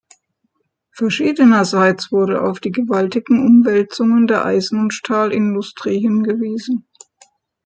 Verschiedenerseits wurde auf die gewaltigen Umwälzungen der Eisen- und Stahlindustrie hingewiesen.